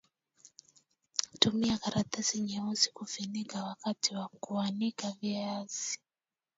tumia karatasi nyeusi kufunika wakati wa kuanika viazi